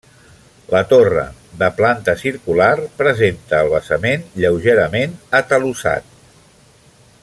La torre, de planta circular, presenta el basament lleugerament atalussat.